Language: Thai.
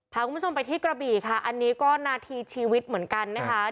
พาคุณผู้ชมไปที่กระบี่ค่ะอันนี้ก็นาทีชีวิตเหมือนกันนะคะ